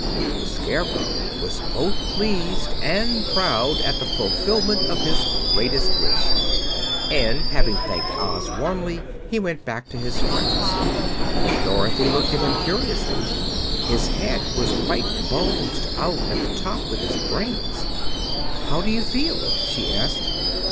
The Scarecrow was both pleased and proud at the fulfillment of his greatest wish, and having thanked Oz warmly he went back to his friends. Dorothy looked at him curiously. His head was quite bulged out at the top with brains. "How do you feel?" she asked.